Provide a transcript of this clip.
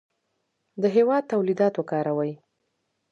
د هېواد تولیدات وکاروئ.